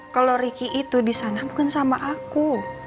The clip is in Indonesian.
kalo ricky itu disana bukan sama aku